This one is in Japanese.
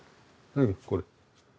何これ。